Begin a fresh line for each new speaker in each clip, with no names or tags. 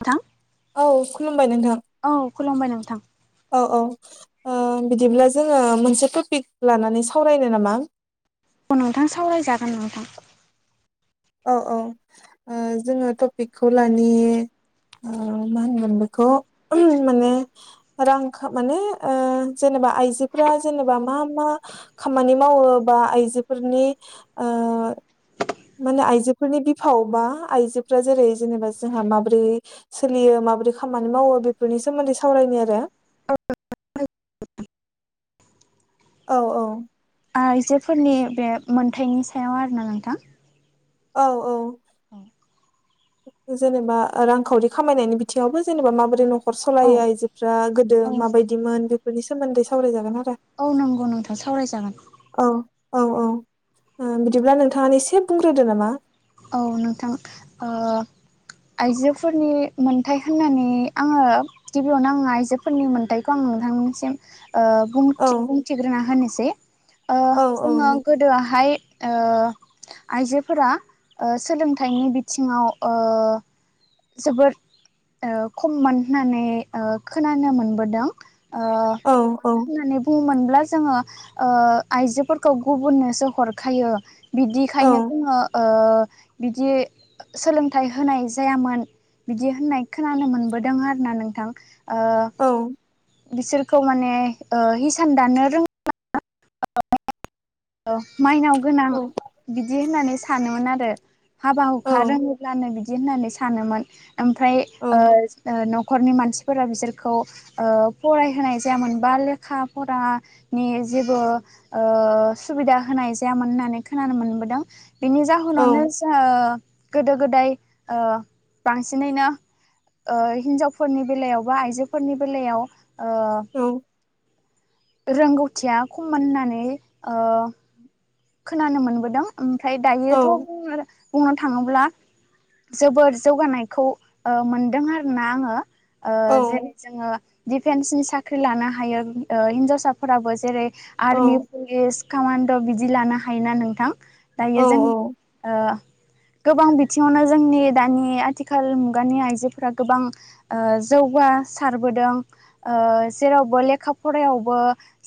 नोंथां
औ खुलुमबाय नोंथां
औ खुलुमबाय नोंथां
औ-औ बिदिब्ला जोंङो मोनसे टपिक लानानै सावरायनो नामा
अ नोंथां सावरायजागोन नोंथां
औ औ जोङो टपिकखौ लानि मा होनगोन बेखौ माने रां माने जेनेबा जबा आइजोफोरा जेनेबा मा मा खामानि मावो बा आइजोफोरनि [unintelligible] माने आइजोफोरनि बिफाव बा आइजोफोरा जेरै जेनेबा जोंहा माबोरै सोलियो म माबोरै खाम बेफोरनि सोन्दै सावरायनो आरो
[unintelligible]
औ औ
आइजोफोरनि बे मोनथायाइनि सायाव आरोना नोंथां
औ औ
औ
जेनेबा रांखावरि खामायनायनि बिथिङावबो जेनेबा माबोरै नखर नखर
औ
सालायो आइजोफ्रा गोदो
औ
माबायदिमोन बेफोरनि सोमोन्दै सावरायजागोन आरो
औ नंगौ नोंथां सावरायजागोन
औ औ औ बिदिब्ला नोंथाङा एसे बुंग्रोदो नामा
औ नोंथां आइजोफोरनि मोनथाइ होननानै आंङो गिबियावनो आंङो आइजोफोरनि मोनथायखौ आं नोंथांमोननिसिम
औ
बुंथिग्रोना होनोसै
औ औ
जोंङो
दे
गोदोआहाय आइजोफोरा सोलोंथाइनि बिथिङाव जोबोद खममोन होननानै खोनानो मोनबोदों माब
औ औ
होननानै बुहोमोन अब्ला जोंङो आइजोफोरखौ गुबुननोसो हरखायो
औ
बिदिखायनो जोङो ओ बिदि सोलोंथाइ होनाय जायामोन। बिदि होननाय खोनानो मोनबोदों आरोना नोंथां। ओ बिसोरखौ माने ओ हिसान दानो रोङ [unintelligible] औ माइनाव गोनां
औ
बिदि होननानै सानोमोन आरो। हाबा
औ
हुखा रोङोब्लानो बिदि होननानै सानोमोन ओमफ्राय
औ
ओ ओ न' खरनि मानसिफोरा बिसोरखौ ओ फरायहोनाय जायामोन बा लेखा फरानि जेबो ओ सुबिदा होनाय जायामोन होननानै खोनानो मोनबोदों बेनि जाहोनावनो जा गोदो गोदाय ओ बांसिनैनो ओ हिन्जावफोरनि बेलायाव बा आइजोफोरनि बेलायाव ओ
औ
रोंगौथिया खममोन होननानै ओ खोनानो मोनबोदों। ओमफ्राय दायोथ'
औ
बुंनो बुंनो थाङोब्ला जोबोर जौगानायखौ ओ मोनदों आरोना आङो। ओ जेरै जोङो दिफेन्सनि साख्रि लानो हायो ओ हिनजावसाफोराबो जेरै
औ
आर्मि पुलिस कामान्ड' बिदि बिदि लानो हायोना नोंथां दायो जों
औ
ओ गोबां बिथिङावनो जोंनि दानि आथिखाल मुगानि आइजोफोरा गोबां ओ जौगा सारबोदों ओ जेरावबो लेखा फरायावबो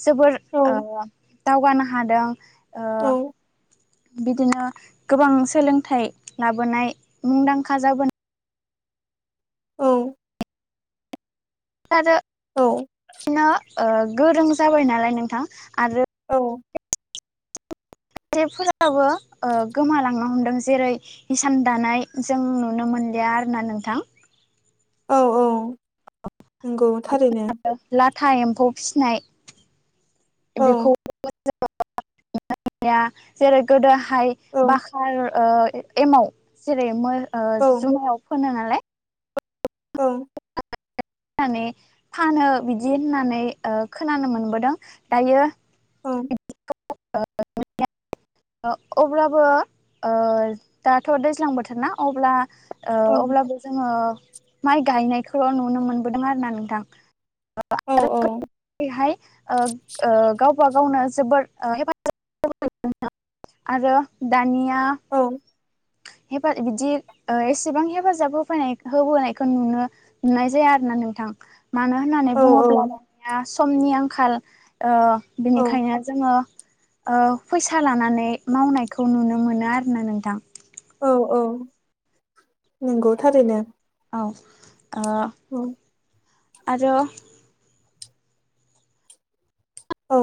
जोबोर ओ दावगानो हादों ओ बिदिनो गोबां सोलोंथाइ लाबोनाय मुंदांखा जाबो
औ।
आरो बिनो ओ गोरों जाबाय नालाय नोंथां आरो
औ।
जेफोराबो ओ गोमालांनो हमदों जेरै हिसान दानाय जों नुनो मोन लिया आरो ना नोंथां।
औ औ नंगौ थारैनो।
था एम्फौ फिसिनाय
औ
बेखौ [inaudible] जेरै गोदोहाय
औ
बाखार ओ एमाव जेरै मोर ओ
औ
जुमायाव फोनो नालाय
औ।
नानै फानो बिदि होननानै ओ खोनानो मोनबोदों दायो
औ।
[unintelligible] अब्लाबो ओ दाथ' दैज्लां बोथोर ना अब्ला ओ अब्लाबो जोङो माइ गायनायखौल' नुनो मोनबोदों आरो ना नोंथां।
औ
[unintelligible] हाय। ओ ओ गावबा गावनो जोबोद ओ हेफाजाब [unintelligible] आरो दानिया
औ
हेफा बिदि ओ एसेबां हेफाजाब होफैनाय होबोनायखौ नुनो नुनाय जाया आरो। ना नोंथां। मानो होननानै
औ
बुङोब्ला दानिया समनि आंखाल ओ
औ
बिनिखायनो जोङो ओ फैसा लानानै मावनायखौ नुनो मोनो आरो ना नोंथां।
औ औ नंगौ थारैनो।
औ ओ
औ
आरो
औ।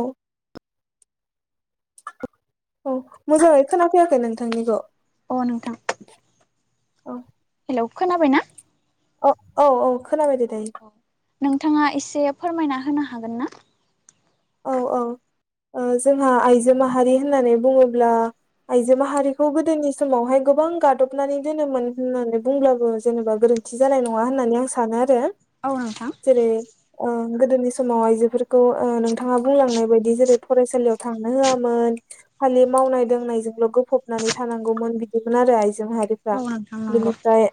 औ मोजाङै खोनाफैयाखै नोंथांनिख'।
अ नोंथां [inaudible]
औ।
हेलौ खोनाबायना?
अ औ औ खोनाबाय दे दायो।
नोंथाङा एसे फोरमायना होनो हागोन ना?
औ औ। ओ जोंहा आइजो माहारि होननानै बुङोब्ला आइजो माहारिखौ गोदोनि समावहाय गोबां गोबां गादबनानै दोनोमोन होननानै बुंब्लाबो जेनेबा गोरोन्थि जानाय नङा होननानै आं सानो आरो।
औ नोंथां।
जेरै ओ गोदोनि समाव आइजोफोरखौ ओ नों थांङा बुंलांनाय बायदि जेरै फरायसालियाव थांनो होआमोन खालि मावनाय दांनायजोंल' गोफबनानै नै थानांगौमोन बिदिमोन आरो आइजो
औ
माहारिफ्रा
नोंथां नंगौ
बिनिफ्राय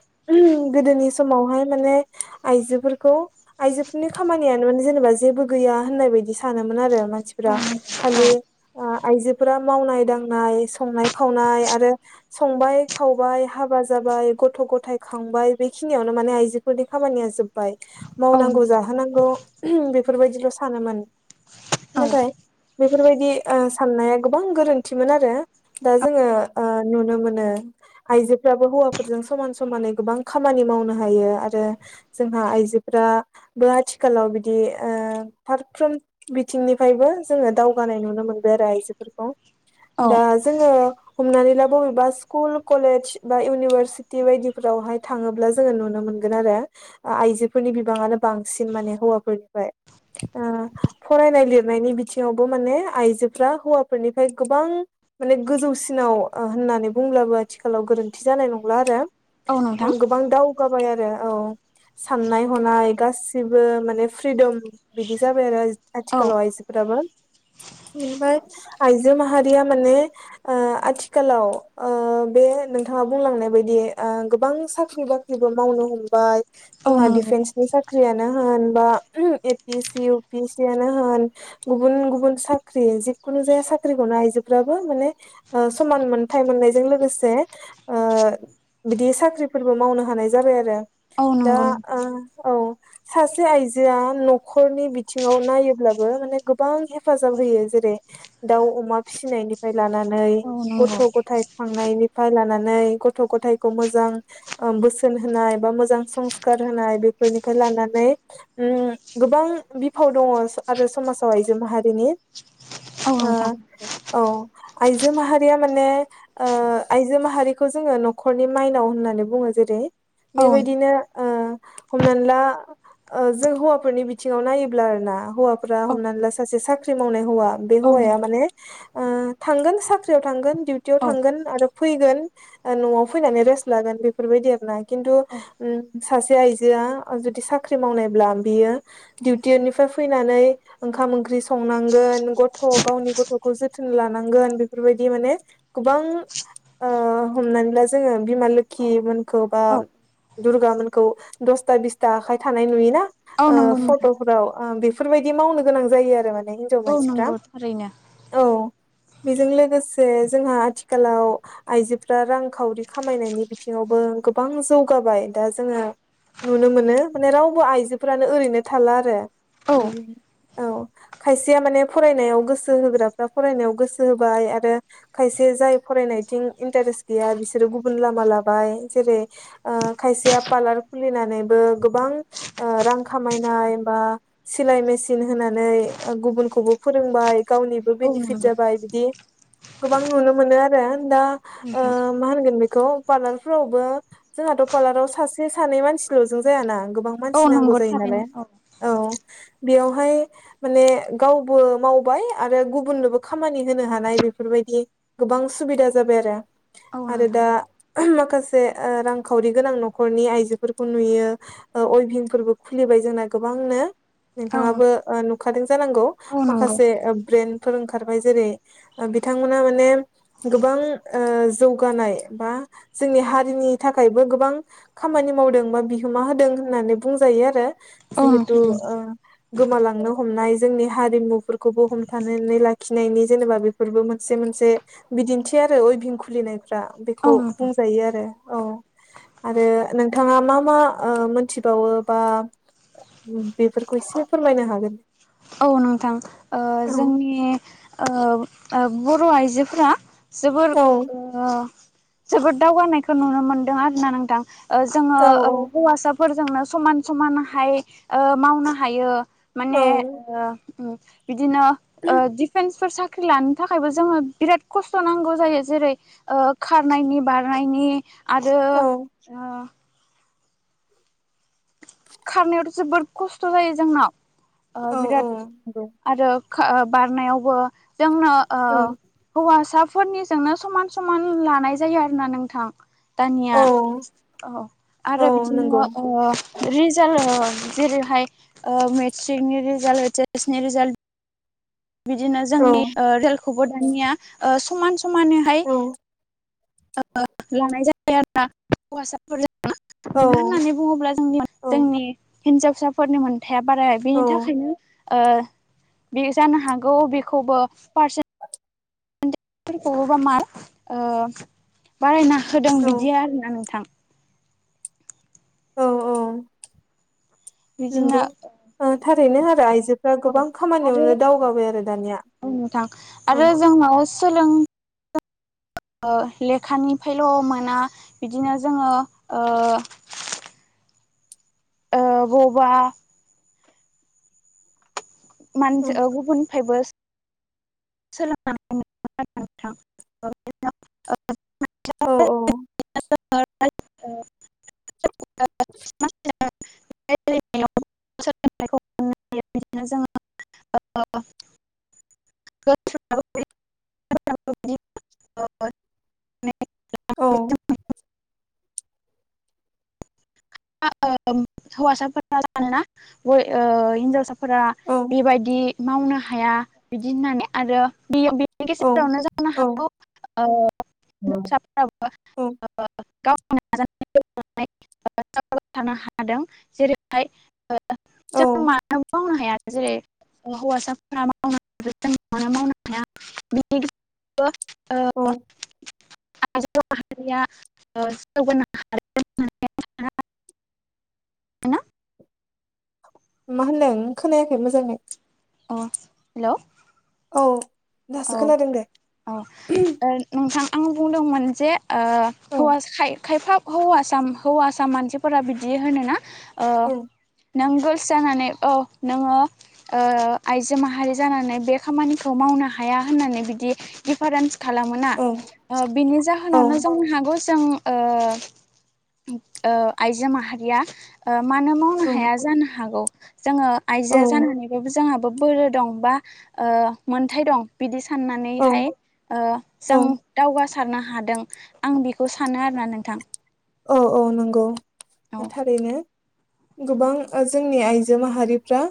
गोदोनि समावहाय माने आइजोफोरखौ आइजोफोरनि खामानियानो माने जेनेबा जेबो गैया होननाय बायदि सानोमोन आरो
औ
मानसिफोरा खालि आ- आइजोफोरा मावनाय दांनाय संनाय खावनाय आरो संबाय खावबाय हाबा जाब बाय गथ' गथाय खांबाय बेखिनियावनो माने आइजोफोरनि खामानिया जोबबाय।
औ
मावनांगौ जाहोनांगौ बेफोरबायदिल' सानोमोन। नाथाय बेफोरबायदि ओ साननाया गोबां गोरोन्थिमोन आरो दा जोङो ओ नुनो मोनो आइजोफ्राबो हौवाफोरजों समान समानै गोबां खामानि मावनो हायो। आरो जोंहा आइजोफोर दा बे आथिखालाव बिदि ओ फारफ्रोम बिथिंनिफ्रायबो जोङो दावगानाय नुनो मोनबाय आरो आइजोफोरखौ।
औ
दा जोङो हमनानै ला बबेबा स्कुल कलेज बा इउनिभारसिटि बायदिफोरावहाय थाङोब्ला जोङो नुनो मोन गोन आरो आइजोफोरनि बिबांनो बांसिन माने हौवाफोरनिफ्राय। ओ फरायनाय लिरनायनि बिथिङावबो माने आइजोफ्रा हौवाफोरनिफ्राय गोबां माने गोजौसिना आव ओ होन्नानै बुंब्लाबो आथिखालाव गोरोन्थि जानाय नंला आरो
औ नोंथां
ओ गोबां दावगाब बाय आरो औ। साननाय हनाय गासिबो माने फ्रिदम बिदि जाबाय आरो। आजिद
औ
आथिखालाव आयजोफोराबो। एनफाय आइजो माहारिया माने ओ आथिखालाव ओ बे मो नोंथाङा बुंलांनाय बायदि ओ गोबां साख्रि बाख्रिबो मावनो हमबाय
औ
जोंहा
नंगौ
डिफेन्सनि साख्रियानो होन बा A P S C U P यानो होन गुबुन गुबुन साख्रि जिखुनु जाया साख्रिखौनो आइजोफ्राबो माने ओ समान मोनथ मोननायजों लोगोसे ओ बिदि साख्रिफोरबो मावनो हानाय जाबाय
औ
दा
नंगौ
ओ औ सासे आइजोआ न'खरनि बिथि सिङाव नायोब्लाबो माने गोबां हेफाजाब होयो जेरै दाउ अमा फिसिनायनिफ्राय लानानै
[unintelligible]
थांनायनिफ्राय लानानै गथ' गथायखौ मोजां ओ बोसोन होनाय बा मोजां संखार बिफोर निफ्राय उ लानानै गोबां फाव दङ आरो समाजाव आइजो माहारिनि
औ
ओ
नोंथां
औ आइजो माहारिया माने ओ आइजो माहारिखौ जोङो न'खरनि माइनाव होननानै बुङो जेरै
औ
बेबायदिनो ओ हमनानै ला ओ जों हौवाफोरनि बिथिङाव नायोब्ला ब्लाव आरोना हौवाफोरा हमनानै ला सासे साख्रि मावनाय हौवा बे हौव
नंगौ
माने ओ थ साख्रियाव थांगोन दिउटियाव
औ
थांगोन आरो फैगोन ओ न'आव फैनानै रेस्ट लागोन बेफोरबायदि आर ना खिन्थु म सासे आइजोआ जुदि साख्रि मावनायब्ला बियो दिउ टनिफ्राय फैनानै ओंखाम ओंख्रि संनांगोन गथ' गावनि गथ'खौ जोथोन लानांगोन बेफोरबायदि माने गोबां ओ हमनानै ला जोङो बिमा लोखि खौ बा दुर्गा मोनखौ दसथा बिसथा आखाय थानाय नुयोना
औ
ओ
नंगौ नंथा।
फट'फोराव ओ बेफोरबायदि मावनो गोनां जायो आरो माने हिनजाव
औ
मानसिफ्रा
नंगौ थारैनो
औ। बेजों लोगोसे जोंहा आथिखालाव आइजोफ्रा रांखावरि खामायनायनि बिथिङावबो ओं गोबां जौगाबाय दा जोङो नुनो मोनो माने रावबो आइजोफोरानो ओरैनो थाला आरो
औ
औ खायसेया माने फरायनायाव गोसो होग्राफ्रा फरायनायाव गोसो होबाय आरो खायसे जाय फनायथिं इेटारेस गै बिसोरो गुबुन लामा लाबाय जेरै ओ खसेया पार्लार खुलिनानैबो गोबां ओ रां खामायनाय बा सिलाय मेसिन होनानै ओ गुबुनखौबो फोरोंबाय गावनिबो
औ
बेनिफिट
नंगौ
जाबाय बिदि गोबां नुनो मोनो आरो दा ओ
नोंथां
मा होनगोन बे- खौ पार्लार फोरावबो जोंहाथ' पार्लाराव सासे सानै मानसिल' जों जायाना गोबां
औ
मानसि नांगौ
नंगौ
जायो नालाय
थारैनो
औ बेयावहाय माने गावबो मावबाय आरो गुबुननोबो खामानि हो हानाय बेफोरबायदि गोबां सुबिदा जाबाय आरो
औ
आरो
नोंथां
दा [unintelligible] माखासे ओ रांखावरि गोनां न'खरनि आइजोफोरखौ नुयो ओ अयभिं फोरबो खुलिबाय जोंन गोबांनो
औ
नोंथाङाबो
नोंथां
ओन खादों जानांगौ
औ नंगौ
माखासे ब्रेन्डफोर ओंखारबाय जेरै ओ बिथांमोना माने गोबां ओ जौगानाय बा जोंनि हारिनि थाखायबो गोबां खामानि माव मावदों बा बिहोमा होदों होननानै बुंजायो आरो
औ
जिहेथु
नोंथां नंगौ
ओ गोमालांनो ह हमनाय जोंनि हारिमुफोरखौबो हमथानानै लाखिनायनि जेनेबा बेफोरबो मोनसे मोनसे बिदिन्थि आरो अइभिं खुलिनायफ्रा
औ
बेखौ
नोंथां
बुंजायो आरो औ। आरो नोंथाङा मा मा ओ मोनथिबावो बा बेफोरखौ इसे फोरमायनो हागोन?
औ नोंथां ओ
औ
जोंनि ओ ओ बर' आइजोफोरा जोबोर ओ
औ
जोबोर दावगानायखौ नुनो मोनदों आरो ना नोंथां। ओ जोङो
औ
ओ हौवासाफोरजोंनो समान समानहाय ओ मावनो हायो
औ
माने ओ ओ बिदिनो ओ डिफेनसफोर साख ख्रि लानो थाखायबो जोङो बिराद खस्थ' नांगौ जायो जेरै ओ खारनायनि बारनायनि आरो
औ
ओ खारनायावथ' जोबोद खस्थ' जायो जोंहा ओ
औ
बिराद आरो खा बारनायावबो जोंनो ओ
औ
हौवासा फोरनिजोंनो समान समान लानाय जायो आरोना नोंथां। दानिया
औ
औ आरो
औ
बिदिनो
नंगौ
ओ रिजाल्ट जेरैहाय मेट्रिकनि रिजाल्ट एइस एस नि रिजाल्ट बिदिनो
औ
जोंनि ओ रेलखौबो दानिया समान समानैहाय
औ
ओ लानाय जाबाय आरो ना हौवासाफोरजों [unintelligible] मानो
औ
होननानै बुङोब्ला जोंनि
औ
जोंनि हिनजावसाफोरनि मो मोनथाया बाराया
औ
बेनि थाखायनो ओ बे जानो हागौ बेखौबो पारसेन फोरखौबा मार्क ओ बारायना होदों
औ
बिदि आरोना नोंथां
औ औ।
बिदिनो
नंगौ [unintelligible]
औ आरो
खामानियावनो दावगाबाय आरो दानिया
औ नोंथां
औ
आरो जोंनाव सि सोलों ओ लेखानि फायल' मोना बिदिनो जोङो ओ
[inaudible]
ओ बबावबा मान
औ
गुबुननिफायबो सोलोंनानै [unintelligible] नोंथां [unintelligible]
औ औ।
[unintelligible]
[inaudible]
सोलोंनायखौ बिदिनो जोङो ओ [inaudible]
औ
फ ज हिनजाव [unintelligible] फोरा
औ
बेबायदि मावनो हाया बिदि होननानै आरो गेजेरावनो जानो
औ
हागौ
औ
हिनजावसाफोराबो
औ
गाव थानो हादों जेरैहाय
औ
जों मानो मावनो हाया जेरै हौवासाफोरा मावनो हाया बिनि ग
औ
[unintelligible] ओ ाहया [unintelligible] ा [unintelligible]
मा होनदों खोनायाखै मोजाङै
अ हेल'।
औ। दासो
औ
खोनादों दे
औ नोंथां आं बुंदोंमोन जे
औ
हौवा खायफा हौवासख हौवासा मानसिफोरा बिदि होनोना ओ
औ
नों गोर्ल्स जानानै औ नोङो आइजो माहारि जानानै बे खामानिखौ मावनो हा हाया होननानै बिदि दिडिफारेन्स खालामो
औ
बिनि जाहोनावनो जोंनो हागौ जों ओ आइजो माहारिया ओ मानो मावनो
औ
हाया जानो हागौ जोङो आइजो
औ
जानानैबाबो जोङाबो बोलो दं बा ओ मोनथाय दं बिदि खानानैहाय ओ
औ
जों दावगा सारनो हादों आं बेखौ सानो आरोना नोंथां
औ-औ नंगौ
औ
थारैनो गोबां जोंनि आइजो माहारिफ्रा